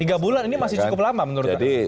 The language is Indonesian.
tiga bulan ini masih cukup lama menurut anda